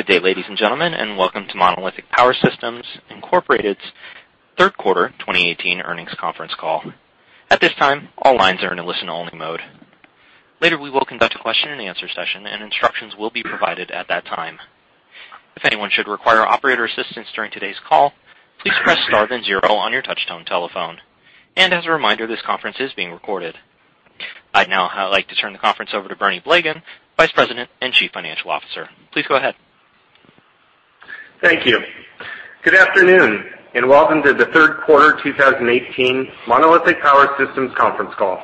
Good day, ladies and gentlemen, and welcome to Monolithic Power Systems Incorporated's third quarter 2018 earnings conference call. At this time, all lines are in a listen-only mode. Later, we will conduct a question and answer session, and instructions will be provided at that time. If anyone should require operator assistance during today's call, please press star then zero on your touch-tone telephone. As a reminder, this conference is being recorded. I'd now like to turn the conference over to Bernie Blegen, Vice President and Chief Financial Officer. Please go ahead. Thank you. Good afternoon, and welcome to the third quarter 2018 Monolithic Power Systems conference call.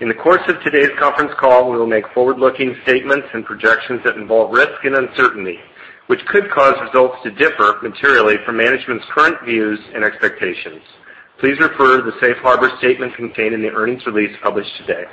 In the course of today's conference call, we will make forward-looking statements and projections that involve risk and uncertainty, which could cause results to differ materially from management's current views and expectations. Please refer to the safe harbor statement contained in the earnings release published today.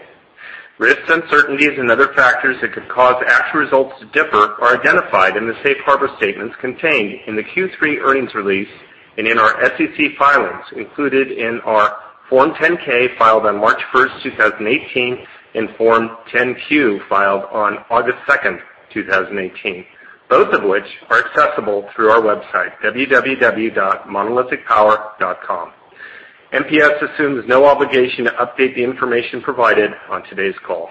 Risks, uncertainties, and other factors that could cause actual results to differ are identified in the safe harbor statements contained in the Q3 earnings release and in our SEC filings included in our Form 10-K filed on March 1st, 2018, and Form 10-Q filed on August 2nd, 2018, both of which are accessible through our website, www.monolithicpower.com. MPS assumes no obligation to update the information provided on today's call.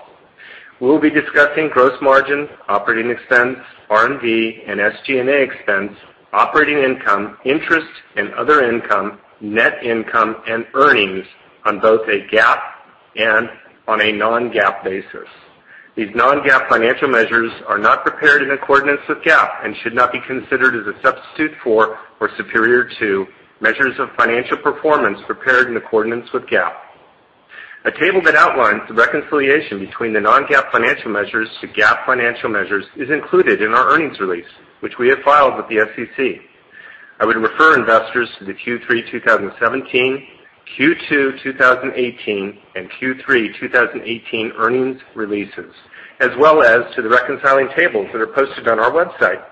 We will be discussing gross margin, operating expense, R&D and SG&A expense, operating income, interest and other income, net income, and earnings on both a GAAP and on a non-GAAP basis. These non-GAAP financial measures are not prepared in accordance with GAAP and should not be considered as a substitute for or superior to measures of financial performance prepared in accordance with GAAP. A table that outlines the reconciliation between the non-GAAP financial measures to GAAP financial measures is included in our earnings release, which we have filed with the SEC. I would refer investors to the Q3 2017, Q2 2018, and Q3 2018 earnings releases, as well as to the reconciling tables that are posted on our website.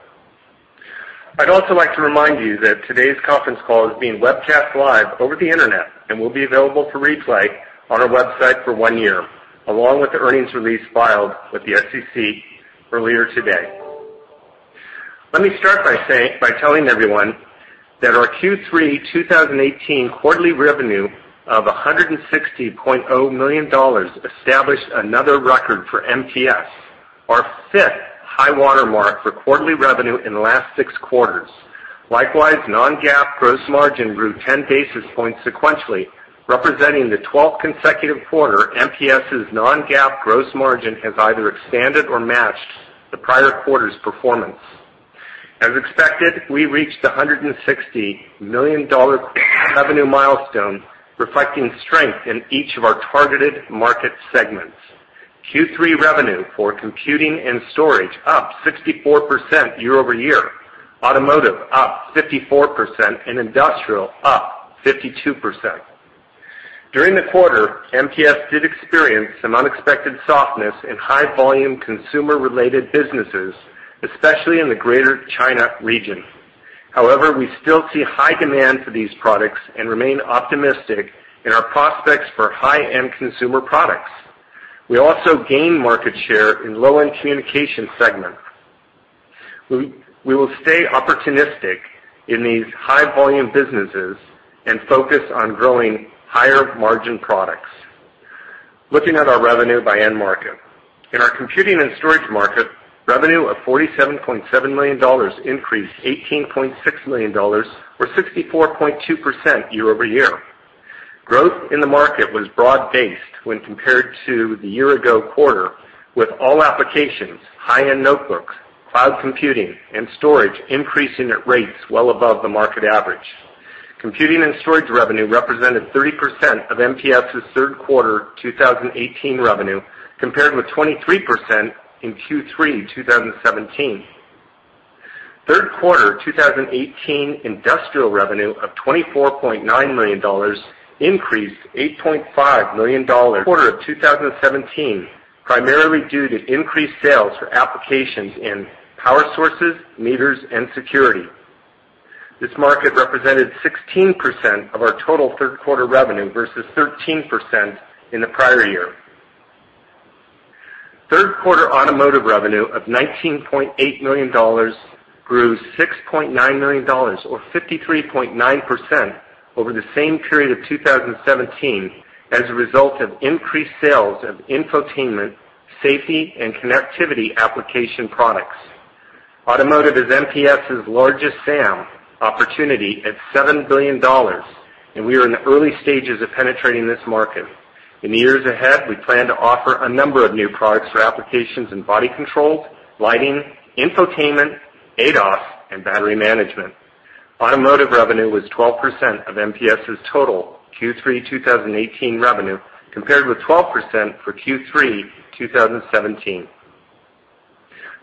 I'd also like to remind you that today's conference call is being webcast live over the internet and will be available for replay on our website for one year, along with the earnings release filed with the SEC earlier today. Let me start by telling everyone that our Q3 2018 quarterly revenue of $160.0 million established another record for MPS, our fifth high-water mark for quarterly revenue in the last six quarters. Likewise, non-GAAP gross margin grew ten basis points sequentially, representing the twelfth consecutive quarter MPS' non-GAAP gross margin has either expanded or matched the prior quarter's performance. As expected, we reached the $160 million revenue milestone, reflecting strength in each of our targeted market segments. Q3 revenue for Computing and Storage up 64% year-over-year, Automotive up 54%, and industrial up 52%. During the quarter, MPS did experience some unexpected softness in high-volume consumer-related businesses, especially in the Greater China region. However, we still see high demand for these products and remain optimistic in our prospects for high-end consumer products. We also gained market share in low-end communication segments. We will stay opportunistic in these high-volume businesses and focus on growing higher-margin products. Looking at our revenue by end market. In our Computing and Storage market, revenue of $47.7 million increased $18.6 million, or 64.2% year-over-year. Growth in the market was broad-based when compared to the year-ago quarter, with all applications, high-end notebooks, cloud computing, and storage increasing at rates well above the market average. Computing and storage revenue represented 30% of MPS' third quarter 2018 revenue, compared with 23% in Q3 2017. Third quarter 2018 industrial revenue of $24.9 million increased $8.5 million, quarter of 2017, primarily due to increased sales for applications in power sources, meters, and security. This market represented 16% of our total third quarter revenue versus 13% in the prior year. Third quarter automotive revenue of $19.8 million grew $6.9 million or 53.9% over the same period of 2017 as a result of increased sales of infotainment, safety, and connectivity application products. Automotive is MPS' largest SAM opportunity at $7 billion, and we are in the early stages of penetrating this market. In the years ahead, we plan to offer a number of new products for applications in body control, lighting, infotainment, ADAS, and battery management. Automotive revenue was 12% of MPS's total Q3 2018 revenue, compared with 12% for Q3 2017.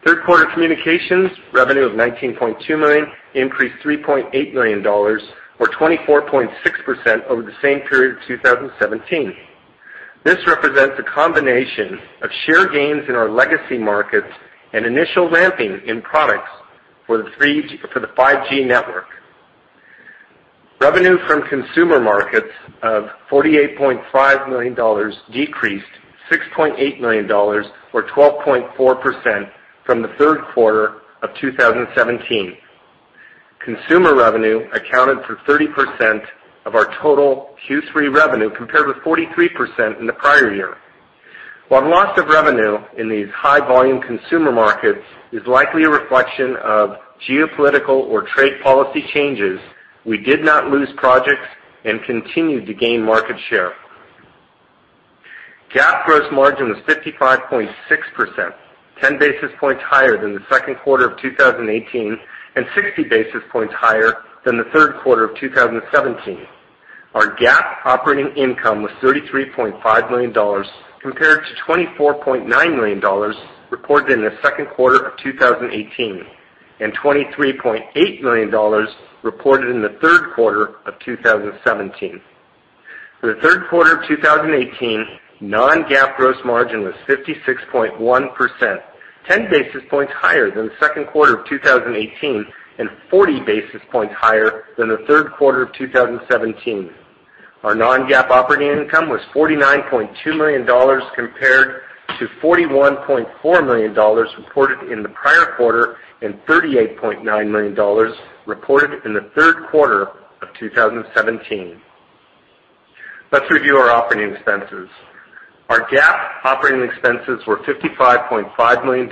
Third quarter Communications revenue of $19.2 million increased $3.8 million, or 24.6%, over the same period of 2017. This represents a combination of share gains in our legacy markets and initial ramping in products for the 5G network. Revenue from consumer markets of $48.5 million decreased $6.8 million, or 12.4%, from the third quarter of 2017. Consumer revenue accounted for 30% of our total Q3 revenue, compared with 43% in the prior year. While loss of revenue in these high-volume consumer markets is likely a reflection of geopolitical or trade policy changes, we did not lose projects and continued to gain market share. GAAP gross margin was 55.6%, 10 basis points higher than the second quarter of 2018, and 60 basis points higher than the third quarter of 2017. Our GAAP operating income was $33.5 million, compared to $24.9 million reported in the second quarter of 2018, and $23.8 million reported in the third quarter of 2017. For the third quarter of 2018, non-GAAP gross margin was 56.1%, 10 basis points higher than the second quarter of 2018, and 40 basis points higher than the third quarter of 2017. Our non-GAAP operating income was $49.2 million, compared to $41.4 million reported in the prior quarter, and $38.9 million reported in the third quarter of 2017. Let's review our operating expenses. Our GAAP operating expenses were $55.5 million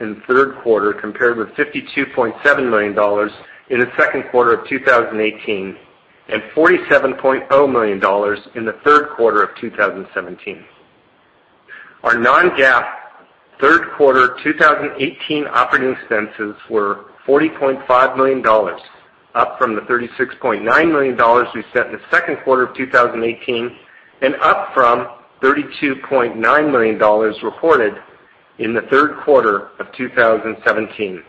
in the third quarter, compared with $52.7 million in the second quarter of 2018, and $47.0 million in the third quarter of 2017. Our non-GAAP third quarter 2018 operating expenses were $40.5 million, up from the $36.9 million we set in the second quarter of 2018. Up from $32.9 million reported in the third quarter of 2017.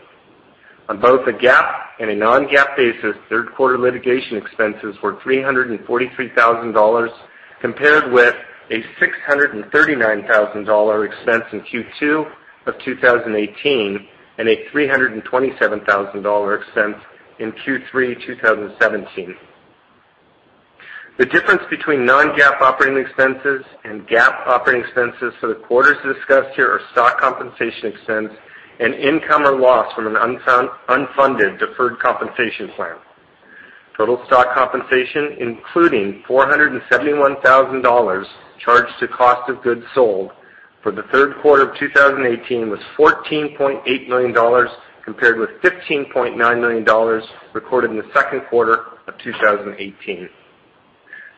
On both a GAAP and a non-GAAP basis, third-quarter litigation expenses were $343,000, compared with a $639,000 expense in Q2 of 2018. A $327,000 expense in Q3 2017. The difference between non-GAAP operating expenses and GAAP operating expenses for the quarters discussed here are stock compensation expense and income or loss from an unfunded deferred compensation plan. Total stock compensation, including $471,000 charged to cost of goods sold for the third quarter of 2018, was $14.8 million, compared with $15.9 million recorded in the second quarter of 2018.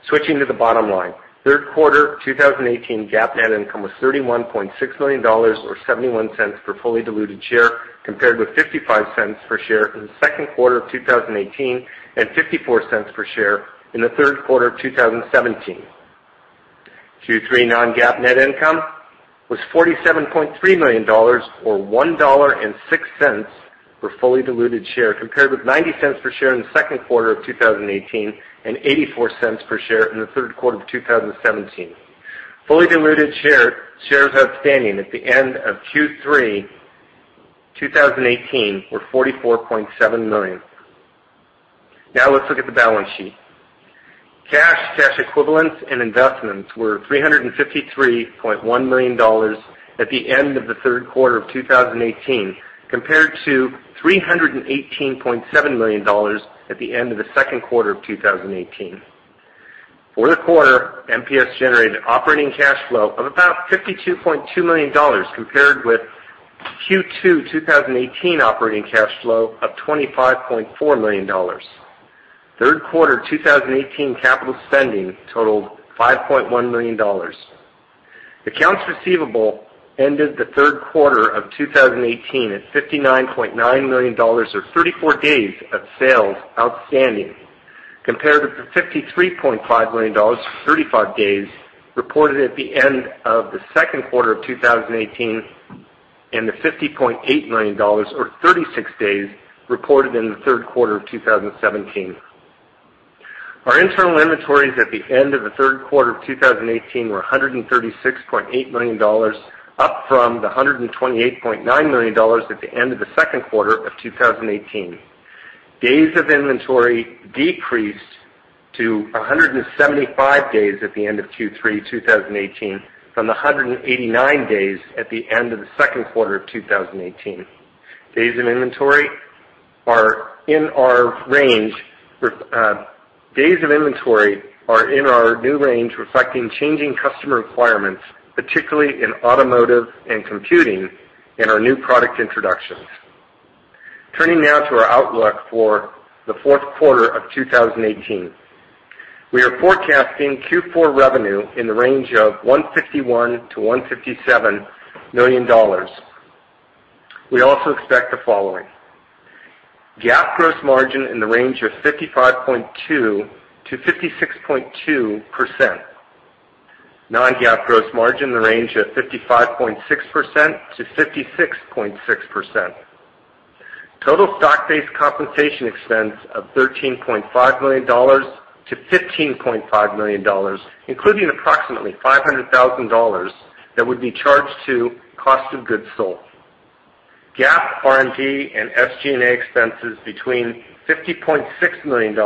Switching to the bottom line, third quarter 2018 GAAP net income was $31.6 million or $0.71 per fully diluted share, compared with $0.55 per share in the second quarter of 2018. A $0.54 per share in the third quarter of 2017. Q3 non-GAAP net income was $47.3 million or $1.06 per fully diluted share, compared with $0.90 per share in the second quarter of 2018. A $0.84 per share in the third quarter of 2017. Fully diluted shares outstanding at the end of Q3 2018 were 44.7 million. Let's look at the balance sheet. Cash, cash equivalents, and investments were $353.1 million at the end of the third quarter of 2018, compared to $318.7 million at the end of the second quarter of 2018. For the quarter, MPS generated operating cash flow of about $52.2 million, compared with Q2 2018 operating cash flow of $25.4 million. Third quarter 2018 capital spending totaled $5.1 million. Accounts receivable ended the third quarter of 2018 at $59.9 million, or 34 days of sales outstanding, compared with the $53.5 million or 35 days reported at the end of the second quarter of 2018. The $50.8 million or 36 days reported in the third quarter of 2017. Our internal inventories at the end of the third quarter of 2018 were $136.8 million, up from the $128.9 million at the end of the second quarter of 2018. Days of inventory decreased to 175 days at the end of Q3 2018 from the 189 days at the end of the second quarter of 2018. Days of inventory are in our new range, reflecting changing customer requirements, particularly in automotive and computing. Our new product introductions. Turning to our outlook for the fourth quarter of 2018. We are forecasting Q4 revenue in the range of $151 million-$157 million. We also expect the following: GAAP gross margin in the range of 55.2%-56.2%. Non-GAAP gross margin in the range of 55.6%-56.6%. Total stock-based compensation expense of $13.5 million-$15.5 million, including approximately $500,000 that would be charged to cost of goods sold. GAAP R&D and SG&A expenses between $50.6 million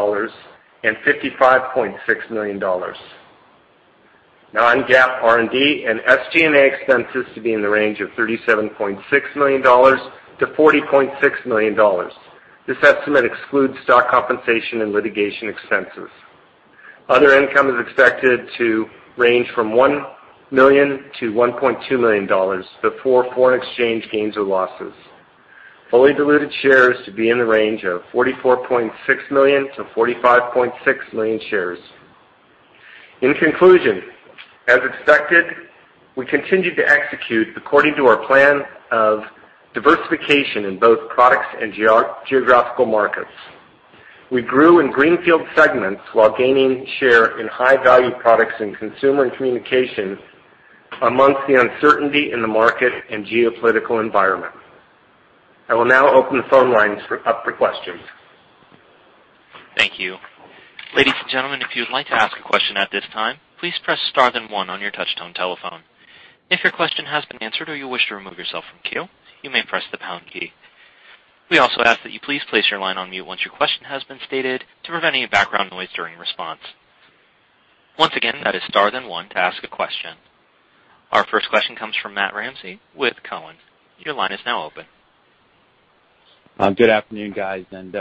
and $55.6 million. Non-GAAP R&D and SG&A expenses to be in the range of $37.6 million-$40.6 million. This estimate excludes stock compensation and litigation expenses. Other income is expected to range from $1 million-$1.2 million before foreign exchange gains or losses. Fully diluted shares to be in the range of 44.6 million to 45.6 million shares. In conclusion, as expected, we continued to execute according to our plan of diversification in both products and geographical markets. We grew in greenfield segments while gaining share in high-value products in consumer and communications amongst the uncertainty in the market and geopolitical environment. I will now open the phone lines up for questions. Thank you. Ladies and gentlemen, if you'd like to ask a question at this time, please press star then 1 on your touch-tone telephone. If your question has been answered or you wish to remove yourself from queue, you may press the pound key. We also ask that you please place your line on mute once your question has been stated to prevent any background noise during response. Once again, that is star then 1 to ask a question. Our first question comes from Matthew Ramsey with Cowen. Your line is now open. Good afternoon, guys, and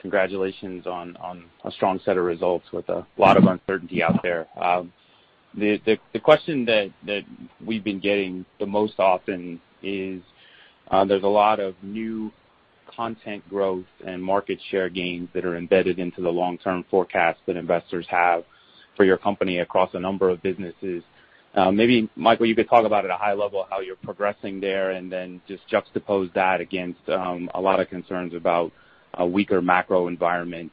congratulations on a strong set of results with a lot of uncertainty out there. The question that we've been getting the most often is, there's a lot of new content growth and market share gains that are embedded into the long-term forecast that investors have for your company across a number of businesses. Maybe, Michael, you could talk about at a high level how you're progressing there, and then just juxtapose that against a lot of concerns about a weaker macro environment.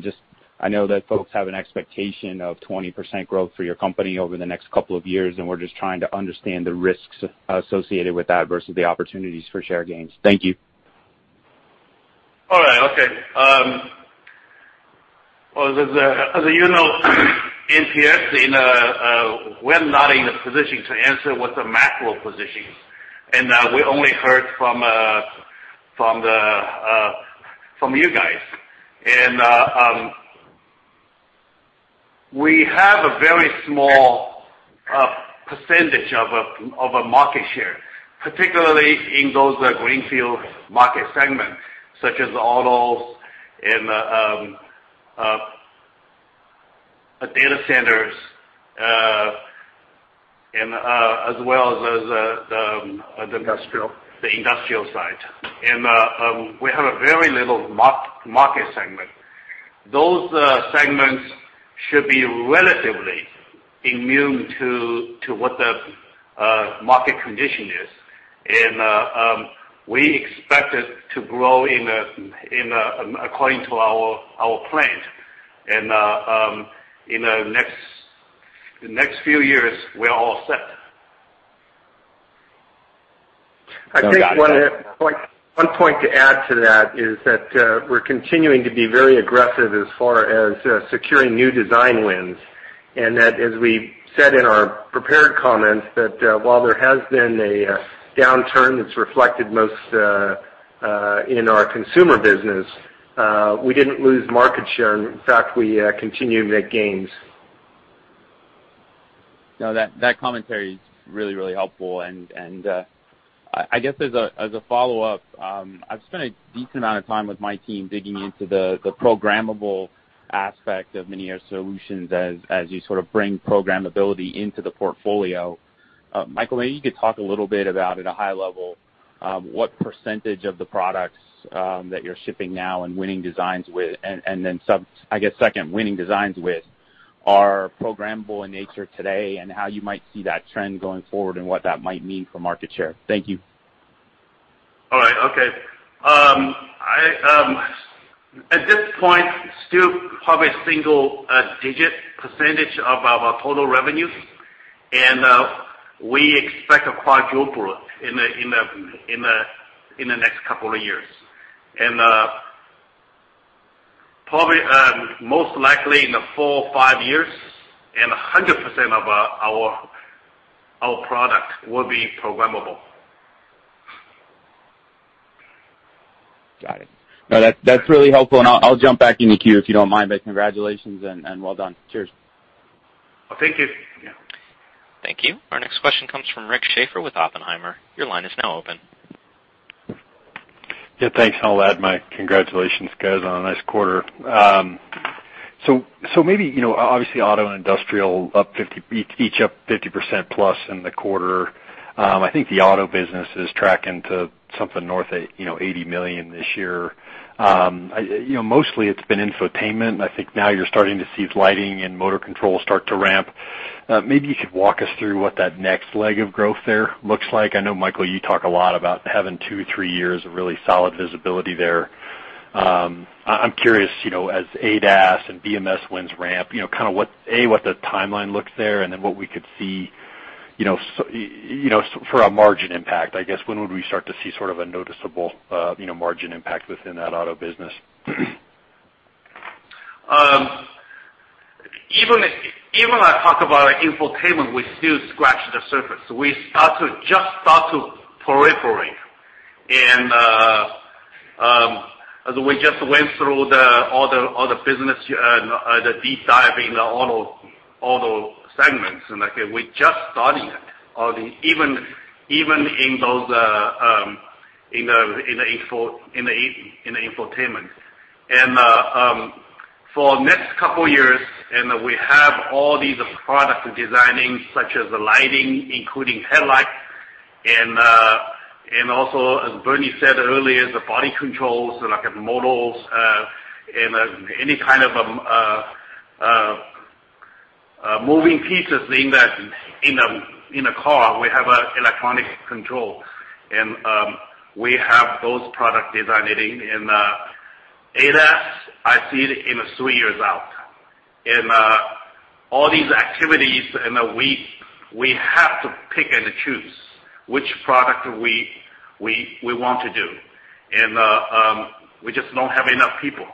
Just I know that folks have an expectation of 20% growth for your company over the next couple of years, and we're just trying to understand the risks associated with that versus the opportunities for share gains. Thank you. All right. Okay. As you know, in here, we're not in a position to answer what the macro position is. We only heard from you guys. We have a very small percentage of a market share, particularly in those greenfield market segments, such as autos and data centers, as well as. Industrial The industrial side. We have a very little market segment. Those segments should be relatively immune to what the market condition is. We expect it to grow according to our plan. In the next few years, we're all set. No, got it. I think one point to add to that is that we're continuing to be very aggressive as far as securing new design wins, that as we said in our prepared comments, that while there has been a downturn that's reflected most in our consumer business, we didn't lose market share, in fact, we continue to make gains. No, that commentary is really helpful. I guess as a follow-up, I've spent a decent amount of time with my team digging into the programmable aspect of MPS Solutions as you sort of bring programmability into the portfolio. Michael, maybe you could talk a little bit about at a high level what % of the products that you're shipping now, and then I guess second, winning designs with are programmable in nature today and how you might see that trend going forward and what that might mean for market share. Thank you. All right. Okay. At this point, still probably a single-digit percentage of our total revenues. We expect a quadruple in the next couple of years. Probably most likely in the four or five years, 100% of our product will be programmable. Got it. That's really helpful. I'll jump back in the queue if you don't mind. Congratulations and well done. Cheers. Thank you. Thank you. Our next question comes from Rick Schafer with Oppenheimer. Your line is now open. Thanks, and I'll add my congratulations, guys, on a nice quarter. Obviously auto and industrial, each up 50% plus in the quarter. I think the auto business is tracking to something north of $80 million this year. Mostly it's been infotainment, I think now you're starting to see lighting and motor control start to ramp. Maybe you could walk us through what that next leg of growth there looks like. I know, Michael, you talk a lot about having two, three years of really solid visibility there. I'm curious, as ADAS and BMS wins ramp, what the timeline looks there, what we could see for a margin impact. When would we start to see a noticeable margin impact within that auto business? Even I talk about infotainment, we still scratch the surface. We just start at the periphery, as we just went through all the business, the deep dive in all those segments, we just started on even in the infotainment. For next couple years, we have all these products designing, such as the lighting, including headlights, also as Bernie said earlier, the body controls, like motors, any kind of moving pieces in a car, we have an electronic control. We have those product designing. ADAS, I see it in three years out. All these activities, we have to pick and choose which product we want to do. We just don't have enough people.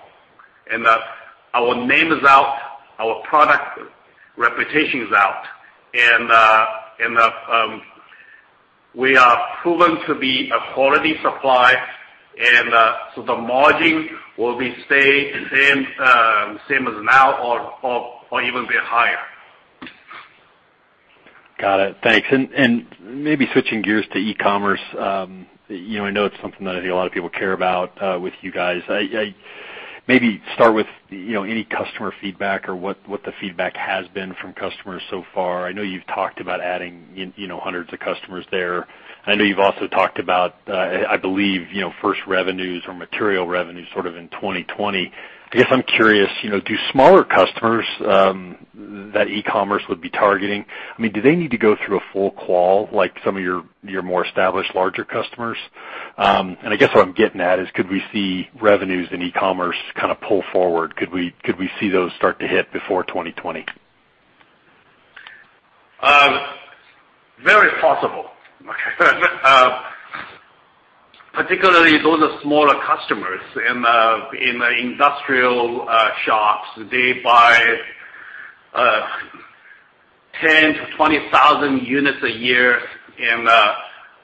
Our name is out, our product reputation is out, we are proven to be a quality supplier, the margin will be stay same as now or even be higher. Got it. Thanks. Switching gears to e-commerce, I know it's something that I think a lot of people care about with you guys. Maybe start with any customer feedback or what the feedback has been from customers so far. I know you've talked about adding hundreds of customers there. I know you've also talked about, I believe, first revenues or material revenues in 2020. I'm curious, do smaller customers, that e-commerce would be targeting, do they need to go through a full qual like some of your more established, larger customers? What I'm getting at is could we see revenues in e-commerce pull forward? Could we see those start to hit before 2020? Very possible. Particularly those are smaller customers in the industrial shops. They buy 10 to 20,000 units a year, and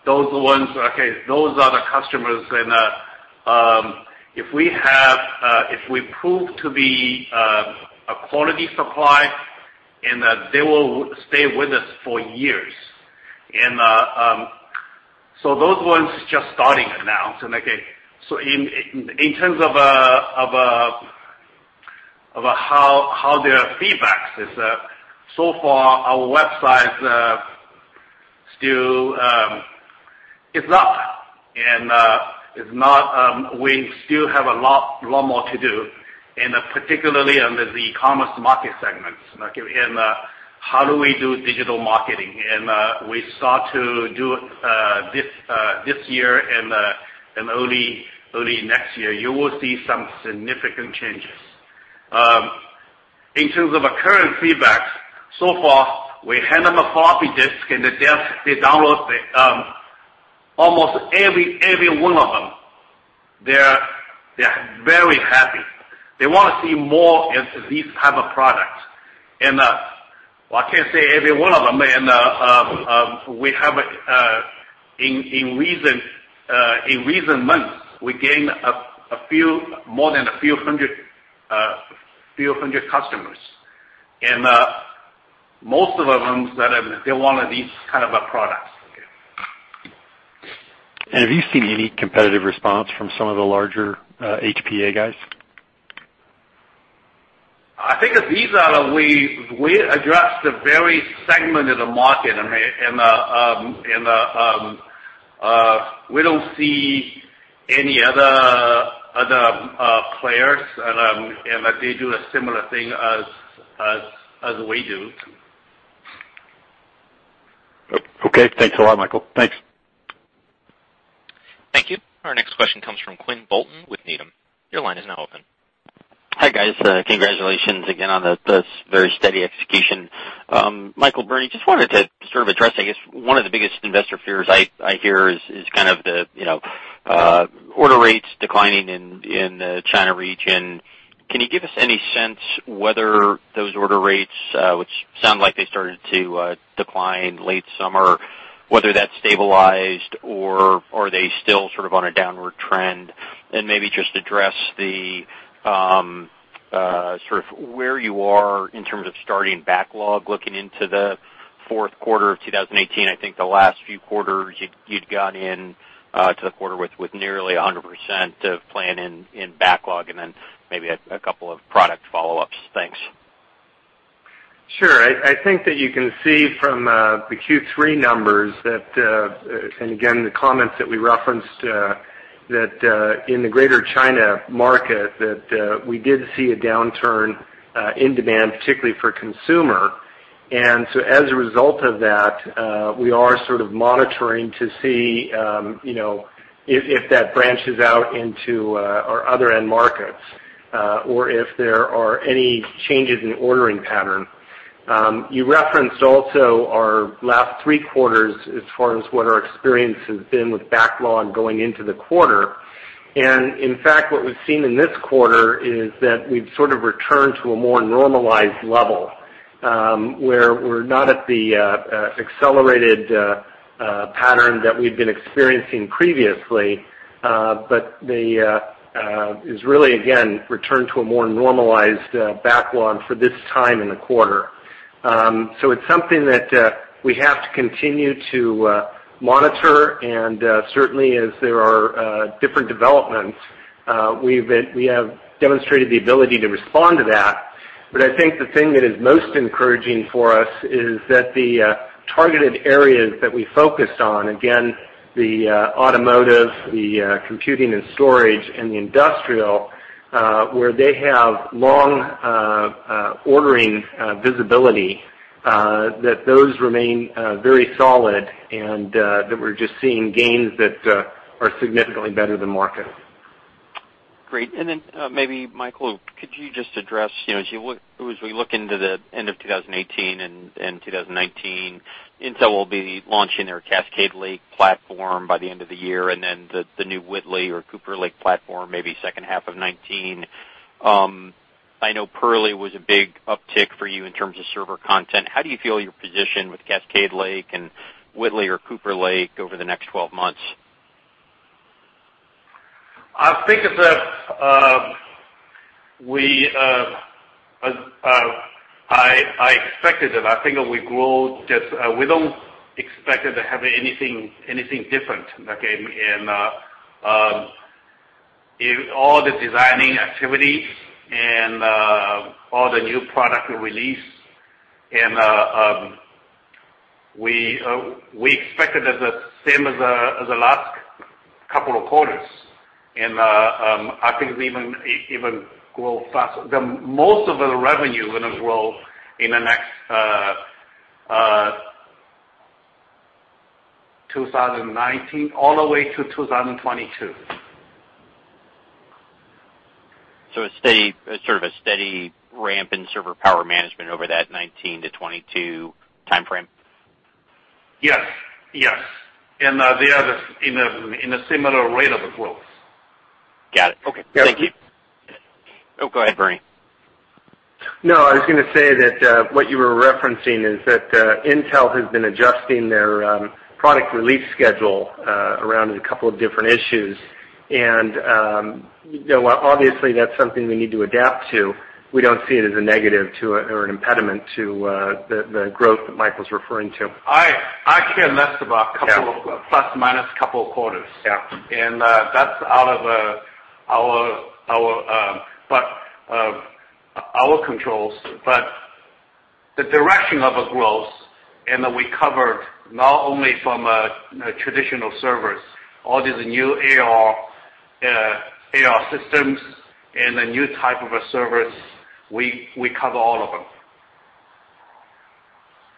those are the customers. If we prove to be a quality supplier, and they will stay with us for years. Those ones just starting it now. In terms of how their feedback is, so far our website still is not, and we still have a lot more to do, and particularly under the e-commerce market segments. Okay. How do we do digital marketing? We start to do this year and early next year, you will see some significant changes. In terms of our current feedback, so far, we hand them a floppy disk, and they download it. Almost every one of them, they're very happy. They want to see more of these type of products. Well, I can't say every one of them, and we have, in recent months, we gained more than a few hundred customers. Most of them, they wanted these kind of products. Okay. Have you seen any competitive response from some of the larger HPA guys? I think that these are. We address the very segment of the market, and we don't see any other players, and that they do a similar thing as we do. Okay. Thanks a lot, Michael. Thanks. Thank you. Our next question comes from Quinn Bolton with Needham. Your line is now open. Hi, guys. Congratulations again on the very steady execution. Michael, Bernie, just wanted to sort of address, I guess one of the biggest investor fears I hear is kind of the order rates declining in the China region. Can you give us any sense whether those order rates, which sound like they started to decline late summer, whether that's stabilized or are they still sort of on a downward trend? And maybe just address the sort of where you are in terms of starting backlog looking into the fourth quarter of 2018. I think the last few quarters, you'd gone in to the quarter with nearly 100% of plan in backlog, and then maybe a couple of product follow-ups. Thanks. Sure. I think that you can see from the Q3 numbers that, and again, the comments that we referenced, that in the Greater China market, that we did see a downturn in demand, particularly for consumer. As a result of that, we are sort of monitoring to see if that branches out into our other end markets, or if there are any changes in ordering pattern. You referenced also our last three quarters as far as what our experience has been with backlog going into the quarter. In fact, what we've seen in this quarter is that we've sort of returned to a more normalized level, where we're not at the accelerated pattern that we've been experiencing previously, but is really, again, returned to a more normalized backlog for this time in the quarter. It's something that we have to continue to monitor and certainly as there are different developments, we have demonstrated the ability to respond to that. I think the thing that is most encouraging for us is that the targeted areas that we focused on, again, the automotive, the computing and storage, and the industrial, where they have long ordering visibility, that those remain very solid and that we're just seeing gains that are significantly better than market. Great. Michael, could you just address, as we look into the end of 2018 and 2019, Intel will be launching their Cascade Lake platform by the end of the year, and then the new Whitley or Cooper Lake platform, maybe second half of 2019. I know Purley was a big uptick for you in terms of server content. How do you feel you're positioned with Cascade Lake and Whitley or Cooper Lake over the next 12 months? I think I expected it. I think that we grow, we don't expect it to have anything different, okay? In all the designing activities and all the new product release, we expect it as the same as the last couple of quarters. I think it even grow faster. Most of the revenue is going to grow in the next 2019 all the way to 2022. Sort of a steady ramp in server power management over that 2019 to 2022 timeframe? Yes. Yes. They are in a similar rate of growth. Got it. Okay. Thank you. Yeah. Oh, go ahead, Bernie. No, I was going to say that, what you were referencing is that Intel has been adjusting their product release schedule around a couple of different issues. Obviously, that's something we need to adapt to. We don't see it as a negative to it or an impediment to the growth that Michael's referring to. I care less about plus, minus couple of quarters. Yeah. That's out of our controls, but the direction of the growth, and that we cover not only from traditional servers, all these new AI systems and the new type of servers, we cover all of them.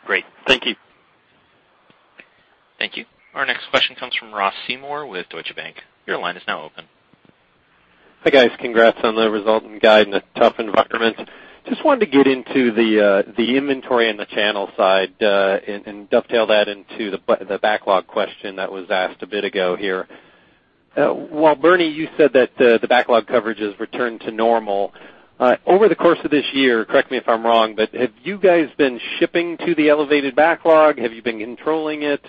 Great. Thank you. Thank you. Our next question comes from Ross Seymore with Deutsche Bank. Your line is now open. Hi, guys. Congrats on the result and guide in a tough environment. Just wanted to get into the inventory and the channel side, and dovetail that into the backlog question that was asked a bit ago here. While Bernie, you said that the backlog coverage has returned to normal. Over the course of this year, correct me if I'm wrong, have you guys been shipping to the elevated backlog? Have you been controlling it?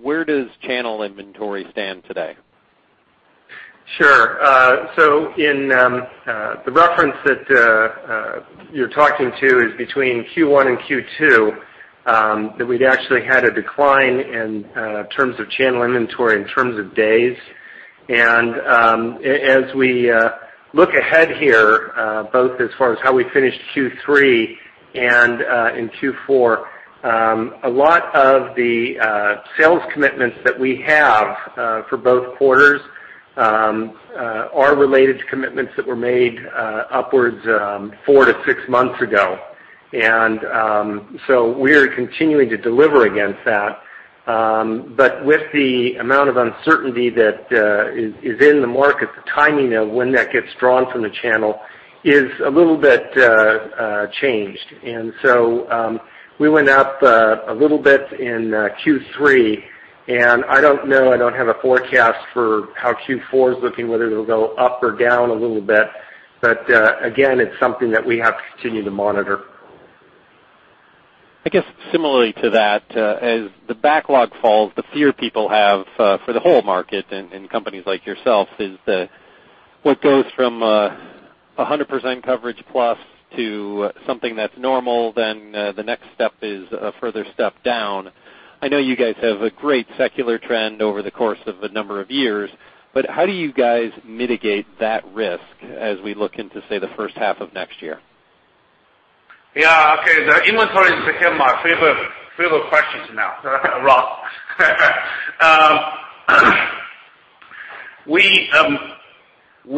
Where does channel inventory stand today? Sure. The reference that you're talking to is between Q1 and Q2, that we'd actually had a decline in terms of channel inventory in terms of days. As we look ahead here, both as far as how we finished Q3 and in Q4, a lot of the sales commitments that we have for both quarters are related to commitments that were made upwards of four to six months ago. We are continuing to deliver against that. With the amount of uncertainty that is in the market, the timing of when that gets drawn from the channel is a little bit changed. We went up a little bit in Q3, and I don't know, I don't have a forecast for how Q4 is looking, whether it'll go up or down a little bit. Again, it's something that we have to continue to monitor. I guess similarly to that, as the backlog falls, the fear people have for the whole market and companies like yourself is that what goes from 100% coverage plus to something that's normal, then the next step is a further step down. I know you guys have a great secular trend over the course of a number of years, how do you guys mitigate that risk as we look into, say, the first half of next year? Yeah. Okay. The inventory became my favorite questions now, Ross.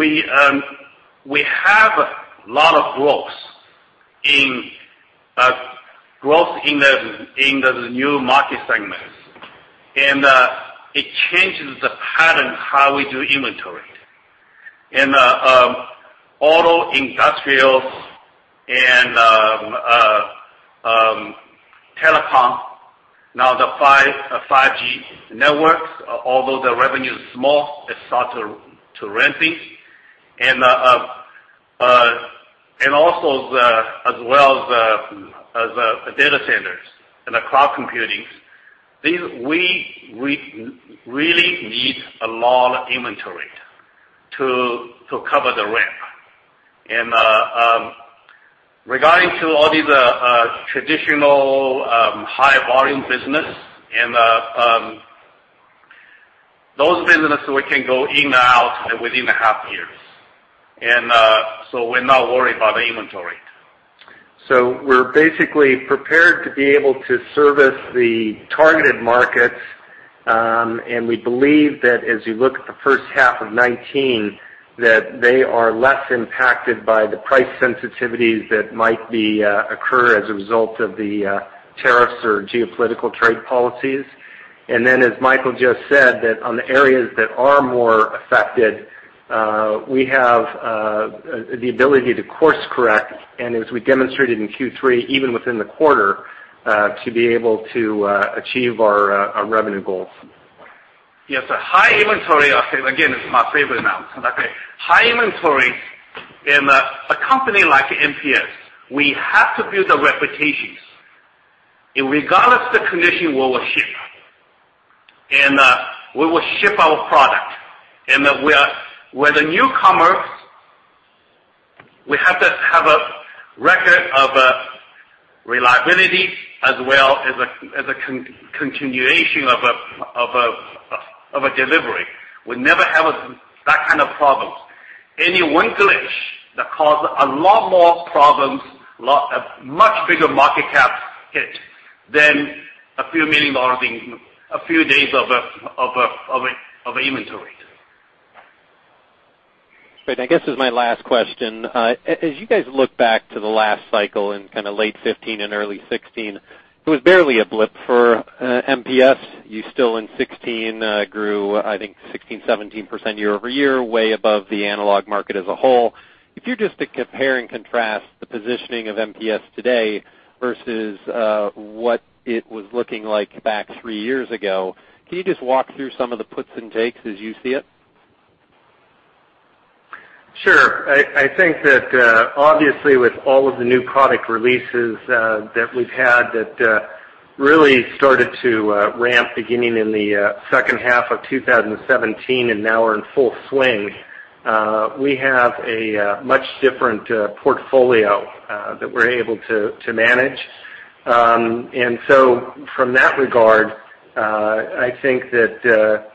We have a lot of growth in the new market segments, it changes the pattern how we do inventory. In auto, industrial, and telecom, now the 5G networks, although the revenue is small, it start to ramping. Also, as well as data centers and the cloud computing, we really need a lot of inventory to cover the ramp. Regarding to all these traditional high-volume business, those businesses we can go in and out within a half years. We're not worried about the inventory. We're basically prepared to be able to service the targeted markets. We believe that as you look at the first half of 2019, that they are less impacted by the price sensitivities that might occur as a result of the tariffs or geopolitical trade policies. Then, as Michael just said, that on the areas that are more affected, we have the ability to course correct, and as we demonstrated in Q3, even within the quarter, to be able to achieve our revenue goals. Yes. A high inventory, again, is my favorite now. High inventory in a company like MPS, we have to build the reputations. Irregardless the condition, we will ship. We will ship our product. We're the newcomer, we have to have a record of reliability as well as a continuation of a delivery. We never have that kind of problems. Any one glitch that cause a lot more problems, a much bigger market cap hit than a few million dollars in a few days of inventory. Great. I guess as my last question, as you guys look back to the last cycle in late 2015 and early 2016, it was barely a blip for MPS. You still in 2016, grew, I think, 16%-17% year-over-year, way above the analog market as a whole. If you're just to compare and contrast the positioning of MPS today versus what it was looking like back three years ago, can you just walk through some of the puts and takes as you see it? Sure. I think that, obviously with all of the new product releases that we've had that really started to ramp beginning in the second half of 2017 and now are in full swing, we have a much different portfolio that we're able to manage. From that regard, I think that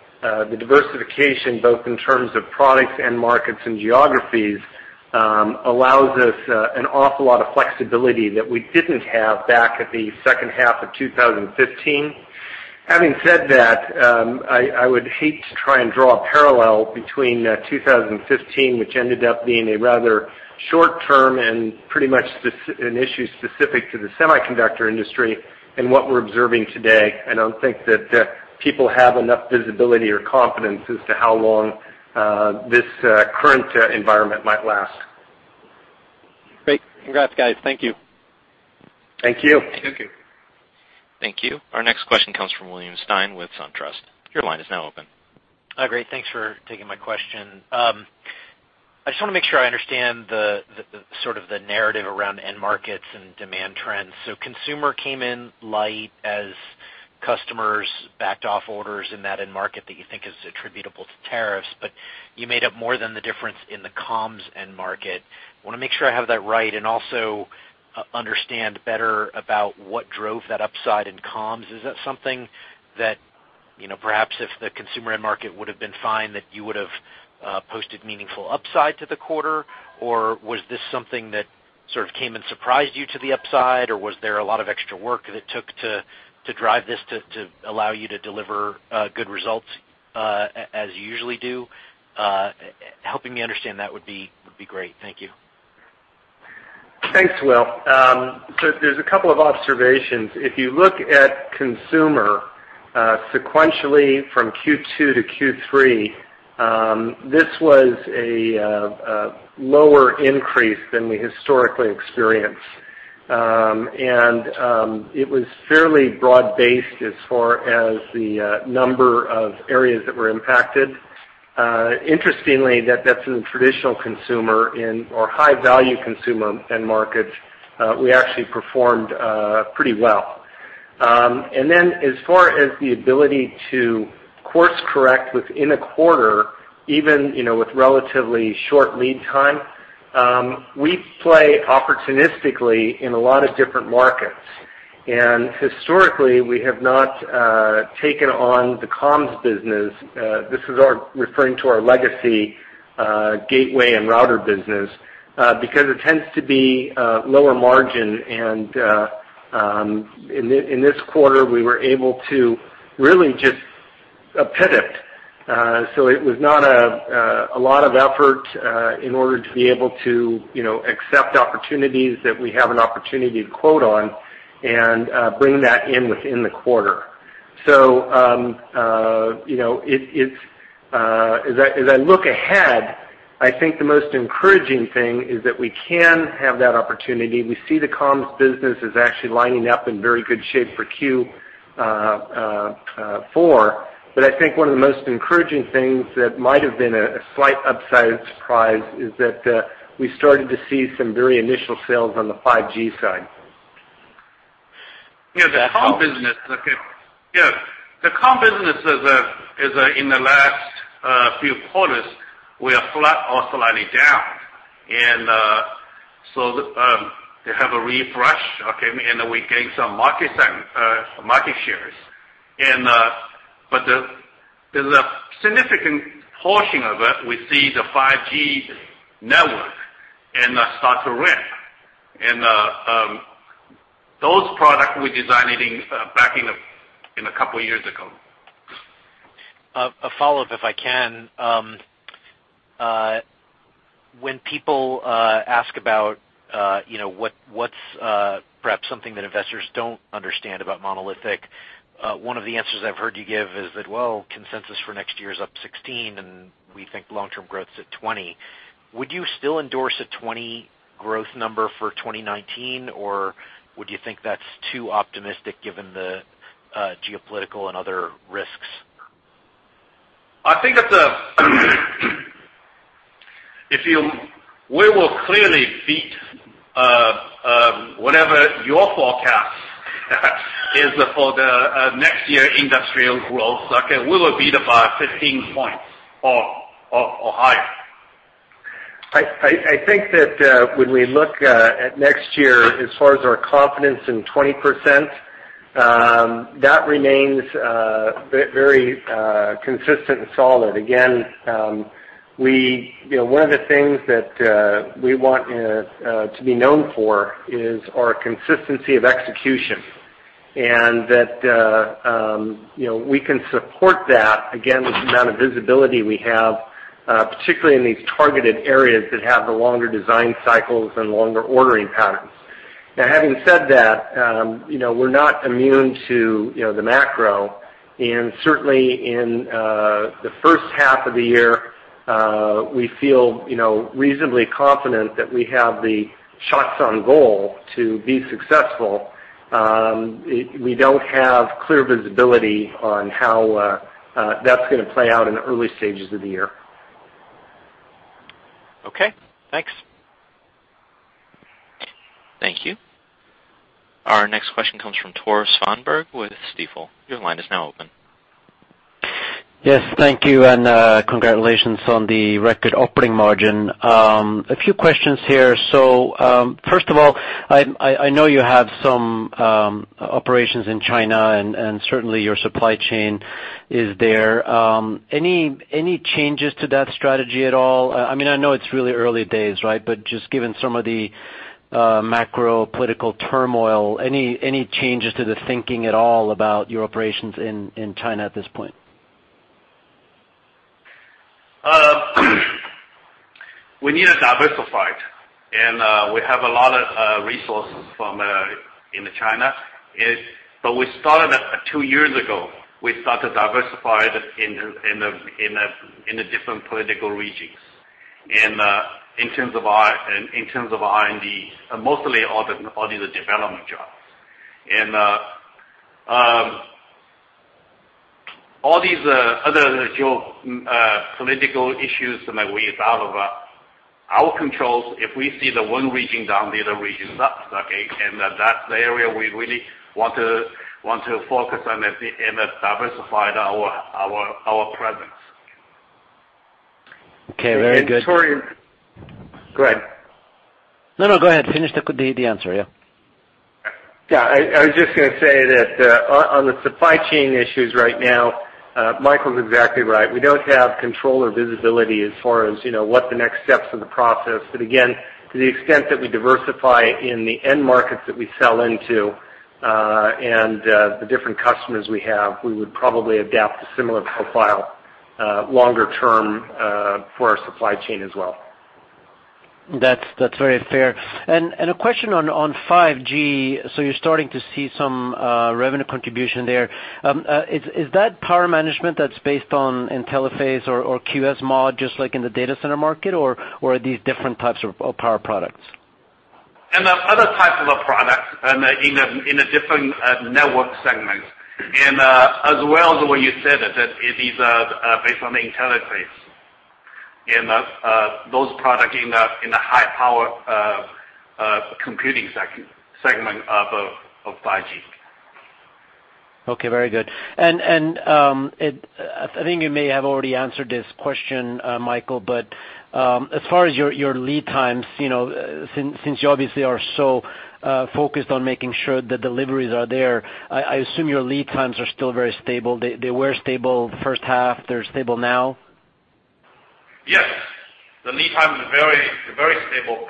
the diversification, both in terms of products and markets and geographies, allows us an awful lot of flexibility that we didn't have back at the second half of 2015. Having said that, I would hate to try and draw a parallel between 2015, which ended up being a rather short-term and pretty much an issue specific to the semiconductor industry, and what we're observing today. I don't think that people have enough visibility or confidence as to how long this current environment might last. Great. Congrats, guys. Thank you. Thank you. Thank you. Thank you. Our next question comes from William Stein with SunTrust. Your line is now open. Great. Thanks for taking my question. I just want to make sure I understand the narrative around end markets and demand trends. Consumer came in light as customers backed off orders in that end market that you think is attributable to tariffs, but you made up more than the difference in the comms end market. Want to make sure I have that right, and also understand better about what drove that upside in comms. Is that something that perhaps if the consumer end market would've been fine, that you would've posted meaningful upside to the quarter, or was this something that sort of came and surprised you to the upside or was there a lot of extra work that it took to drive this to allow you to deliver good results, as you usually do? Helping me understand that would be great. Thank you. Thanks, Will. There's a couple of observations. If you look at consumer sequentially from Q2 to Q3, this was a lower increase than we historically experienced. It was fairly broad-based as far as the number of areas that were impacted. Interestingly, that's in traditional consumer or high-value consumer end markets, we actually performed pretty well. Then as far as the ability to course correct within a quarter, even with relatively short lead time, we play opportunistically in a lot of different markets. Historically, we have not taken on the comms business, this is referring to our legacy gateway and router business, because it tends to be lower margin and in this quarter, we were able to really just pivot. It was not a lot of effort in order to be able to accept opportunities that we have an opportunity to quote on and bring that in within the quarter. As I look ahead, I think the most encouraging thing is that we can have that opportunity. We see the comms business is actually lining up in very good shape for Q4. I think one of the most encouraging things that might have been a slight upside surprise is that we started to see some very initial sales on the 5G side. Yeah. The comm business is, in the last few quarters, we are flat or slightly down. They have a refresh, okay, and we gained some market shares. There's a significant portion of it, we see the 5G network start to ramp. Those product we designed it back in a couple of years ago. A follow-up, if I can. When people ask about what's perhaps something that investors don't understand about Monolithic, one of the answers I've heard you give is that, well, consensus for next year is up 16%, and we think long-term growth's at 20%. Would you still endorse a 20% growth number for 2019, or would you think that's too optimistic given the geopolitical and other risks? I think that we will clearly beat whatever your forecast is for the next year industrial growth. We will beat about 15 points or higher. I think that when we look at next year, as far as our confidence in 20%, that remains very consistent and solid. Again, one of the things that we want to be known for is our consistency of execution, and that we can support that, again, with the amount of visibility we have, particularly in these targeted areas that have the longer design cycles and longer ordering patterns. Now, having said that, we're not immune to the macro and certainly in the first half of the year, we feel reasonably confident that we have the shots on goal to be successful. We don't have clear visibility on how that's going to play out in the early stages of the year. Okay, thanks. Thank you. Our next question comes from Tore Svanberg with Stifel. Your line is now open. Yes, thank you, and congratulations on the record operating margin. A few questions here. First of all, I know you have some operations in China, and certainly your supply chain is there. Any changes to that strategy at all? I know it's really early days, right? Just given some of the macro political turmoil, any changes to the thinking at all about your operations in China at this point? We need to diversify. We have a lot of resources from in China. Two years ago, we started to diversify in the different political regions. In terms of R&D, mostly all these are development jobs. All these other geo-political issues, we thought about our controls, if we see the one region down, the other region's up, okay? That's the area we really want to focus on and diversify our presence. Okay. Very good. Tore- Go ahead. No, no, go ahead. Finish the answer, yeah. Yeah, I was just going to say that on the supply chain issues right now, Michael's exactly right. We don't have control or visibility as far as what the next steps in the process. Again, to the extent that we diversify in the end markets that we sell into, and the different customers we have, we would probably adapt a similar profile longer term for our supply chain as well. That's very fair. A question on 5G. You're starting to see some revenue contribution there. Is that power management that's based on Intelli-Phase or QSMod, just like in the data center market, or are these different types of power products? There are other types of products in the different network segments. As well as the way you said it, that it is based on the Intelli-Phase, and those product in the high power computing segment of 5G. Okay. Very good. I think you may have already answered this question, Michael, but as far as your lead times, since you obviously are so focused on making sure the deliveries are there, I assume your lead times are still very stable. They were stable the first half. They're stable now? Yes. The lead time is very stable.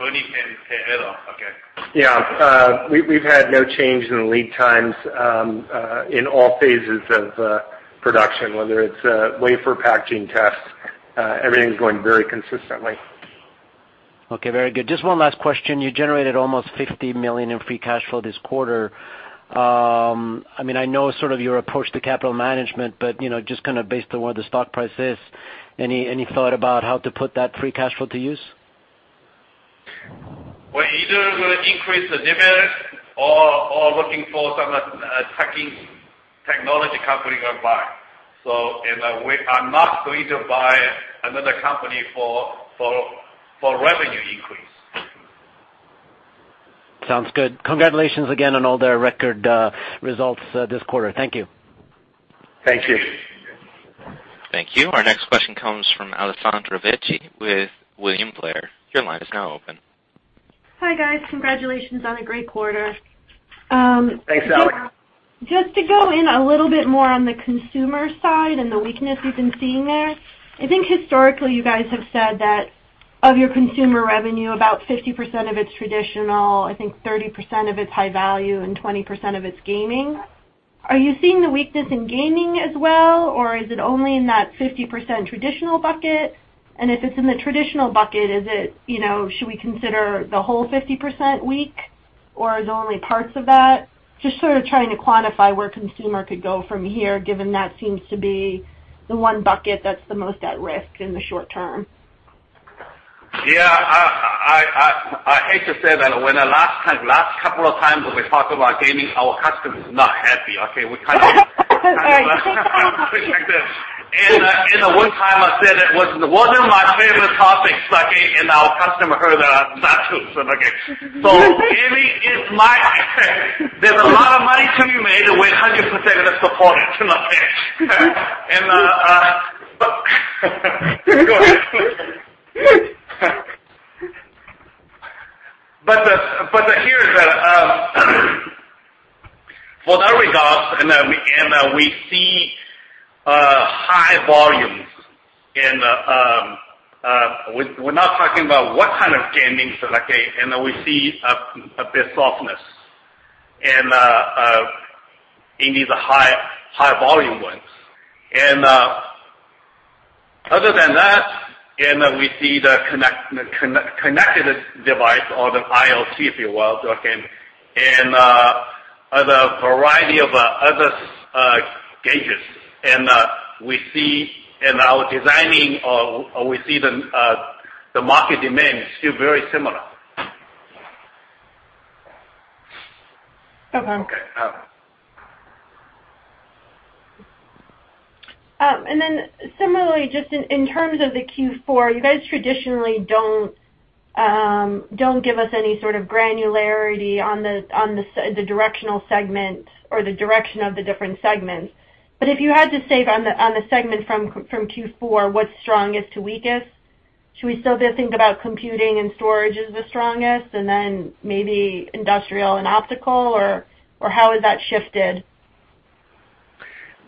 Yeah. We've had no change in the lead times in all phases of production, whether it's wafer packaging test, everything's going very consistently. Okay, very good. Just one last question. You generated almost $50 million in free cash flow this quarter. I know sort of your approach to capital management, but just kind of based on where the stock price is, any thought about how to put that free cash flow to use? Well, either we're going to increase the dividend or looking for some technology company we are buying. In a way, I'm not going to buy another company for revenue increase. Sounds good. Congratulations again on all the record results this quarter. Thank you. Thank you. Thank you. Our next question comes from Alessandra Vecchi with William Blair. Your line is now open. Hi, guys. Congratulations on a great quarter. Thanks, Alex. Just to go in a little bit more on the consumer side and the weakness you've been seeing there. I think historically you guys have said that of your consumer revenue, about 50% of it is traditional, I think 30% of it is high value, and 20% of it is gaming. Are you seeing the weakness in gaming as well, or is it only in that 50% traditional bucket? If it's in the traditional bucket, should we consider the whole 50% weak, or is it only parts of that? Just sort of trying to quantify where consumer could go from here, given that seems to be the one bucket that's the most at risk in the short term. Yeah. I hate to say that, when the last couple of times we talked about gaming, our customers were not happy. Okay? All right. The one time I said it wasn't my favorite topic, and our customer heard that. There's a lot of money to be made, and we 100% support it. Go ahead. Here is that, for that regard, and we see high volumes, and we're not talking about what kind of gaming, and we see a bit softness, and it needs high volume ones. Other than that, and we see the connected device or the IoT, if you will, okay, and the variety of other gadgets, and we see in our designing, or we see the market demand is still very similar. Okay. Okay. Similarly, just in terms of the Q4, you guys traditionally don't give us any sort of granularity on the directional segment or the direction of the different segments. If you had to say on the segment from Q4 what's strongest to weakest, should we still think about Computing and Storage as the strongest and then maybe Industrial and Optical, or how has that shifted?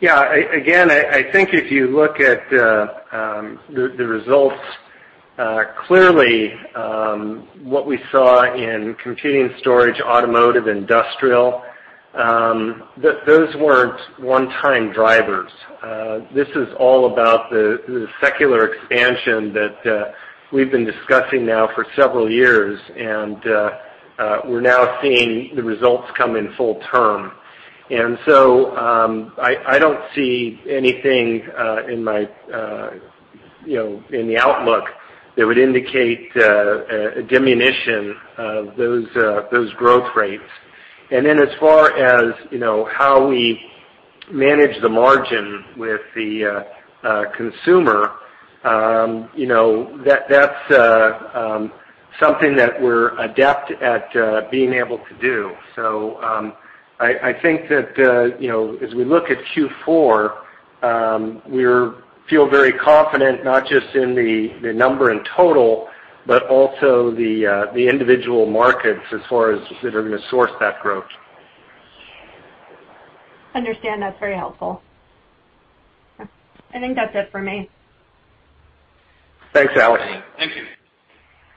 Yeah. Again, I think if you look at the results, clearly, what we saw in Computing, Storage, Automotive, Industrial, those weren't one-time drivers. This is all about the secular expansion that we've been discussing now for several years, we're now seeing the results come in full term. I don't see anything in the outlook that would indicate a diminution of those growth rates. As far as how we manage the margin with the consumer, that's something that we're adept at being able to do. I think that as we look at Q4, we feel very confident, not just in the number in total, but also the individual markets as far as that are going to source that growth. Understand. That's very helpful. I think that's it for me. Thanks, Alex. Thank you.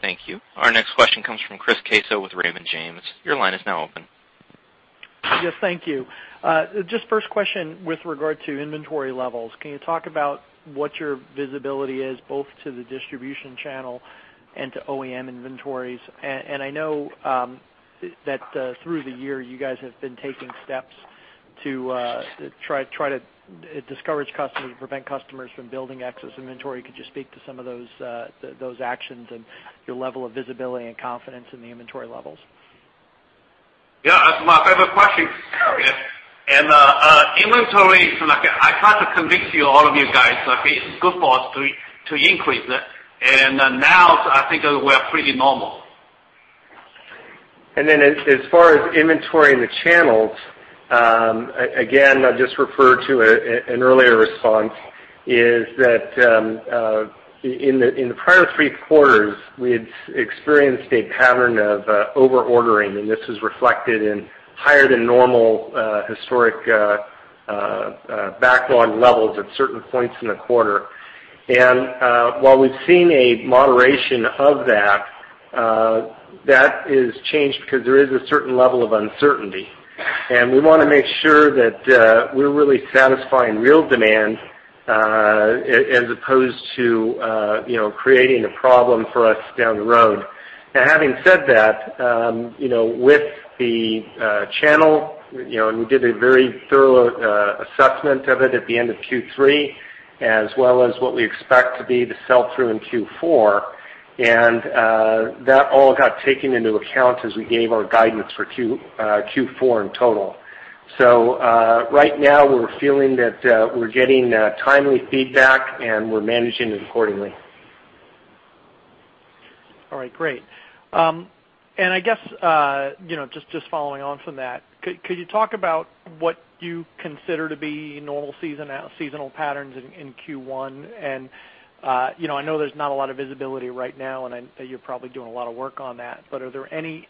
Thank you. Our next question comes from Chris Caso with Raymond James. Your line is now open. Yes. Thank you. First question with regard to inventory levels. Can you talk about what your visibility is, both to the distribution channel and to OEM inventories? I know that through the year, you guys have been taking steps to try to discourage customers, to prevent customers from building excess inventory. Could you speak to some of those actions and your level of visibility and confidence in the inventory levels? Yeah. That's my favorite question, Chris. Inventory, I tried to convince you, all of you guys, okay, it's good for us to increase it. Now I think we are pretty normal. As far as inventory in the channels, again, I'll just refer to an earlier response, is that in the prior three quarters, we had experienced a pattern of over-ordering, and this is reflected in higher than normal historic backlog levels at certain points in the quarter. While we've seen a moderation of that is changed because there is a certain level of uncertainty. We want to make sure that we're really satisfying real demand as opposed to creating a problem for us down the road. Having said that, with the channel, and we did a very thorough assessment of it at the end of Q3, as well as what we expect to be the sell-through in Q4, and that all got taken into account as we gave our guidance for Q4 in total. Right now we're feeling that we're getting timely feedback, and we're managing it accordingly. All right, great. I guess, just following on from that, could you talk about what you consider to be normal seasonal patterns in Q1? I know there's not a lot of visibility right now, and I know you're probably doing a lot of work on that, but are there any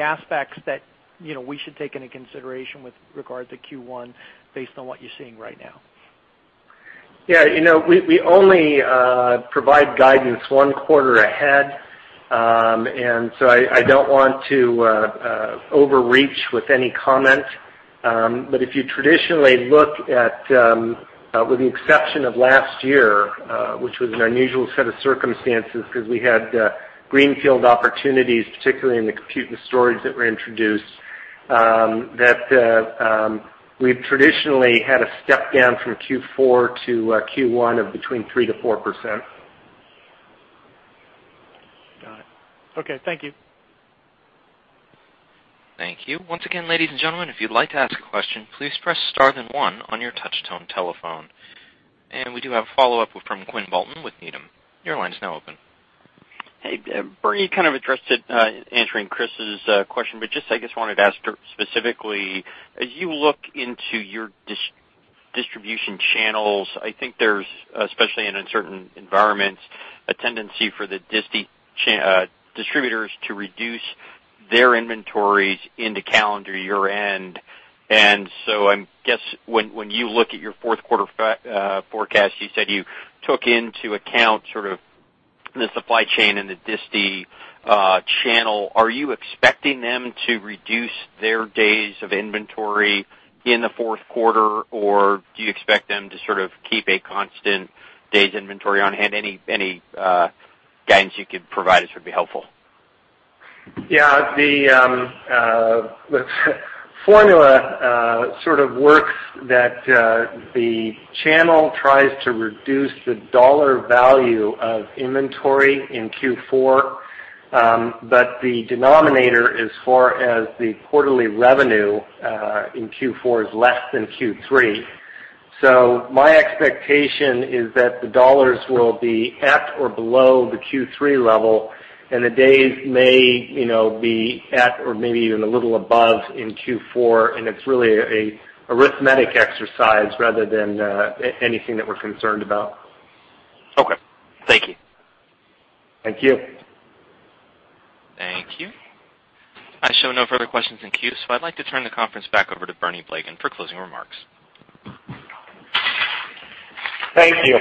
aspects that we should take into consideration with regard to Q1 based on what you're seeing right now? Yeah. We only provide guidance one quarter ahead. I don't want to overreach with any comment. If you traditionally look at, with the exception of last year, which was an unusual set of circumstances because we had greenfield opportunities, particularly in the compute and storage that were introduced, that we've traditionally had a step down from Q4 to Q1 of between 3% to 4%. Got it. Okay. Thank you. Thank you. Once again, ladies and gentlemen, if you'd like to ask a question, please press star then one on your touch tone telephone. We do have a follow-up from Quinn Bolton with Needham & Company. Your line is now open. Hey, Bernie, you kind of addressed it answering Chris's question, just I guess wanted to ask specifically, as you look into your distribution channels, I think there's, especially in uncertain environments, a tendency for the distributors to reduce their inventories into calendar year-end. I guess when you look at your fourth quarter forecast, you said you took into account sort of the supply chain and the disti channel. Are you expecting them to reduce their days of inventory in the fourth quarter, or do you expect them to sort of keep a constant days inventory on hand? Any guidance you could provide us would be helpful. Yeah. The formula sort of works that the channel tries to reduce the dollar value of inventory in Q4, the denominator as far as the quarterly revenue in Q4 is less than Q3. My expectation is that the dollars will be at or below the Q3 level, and the days may be at or maybe even a little above in Q4, and it's really a arithmetic exercise rather than anything that we're concerned about. Okay. Thank you. Thank you. Thank you. I show no further questions in queue, so I'd like to turn the conference back over to Bernie Blegen for closing remarks. Thank you.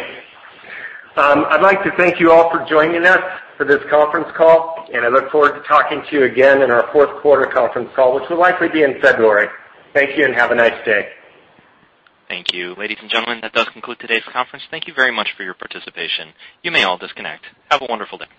I'd like to thank you all for joining us for this conference call, and I look forward to talking to you again in our fourth quarter conference call, which will likely be in February. Thank you and have a nice day. Thank you. Ladies and gentlemen, that does conclude today's conference. Thank you very much for your participation. You may all disconnect. Have a wonderful day.